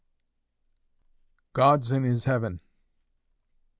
"GOD'S IN HIS HEAVEN."